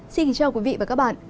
xin kính chào quý vị và các bạn